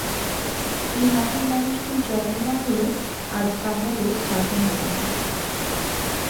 এই মহান মানুষটির জন্ম না হলে আজ বাংলাদেশ স্বাধীন হতো না।